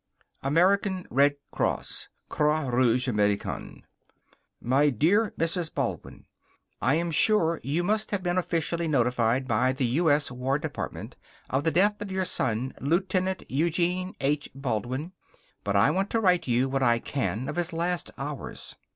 AMERICAN RED CROSS (Croix Rouge Americaine) MY DEAR MRS. BALDWIN: I am sure you must have been officially notified by the U.S. War Dept. of the death of your son, Lieut. Eugene H. Baldwin. But I want to write you what I can of his last hours.